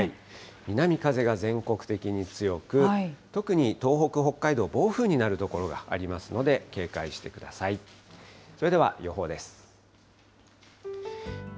南風が全国的に強く、特に東北、北海道、暴風になる所がありますので、警戒してください。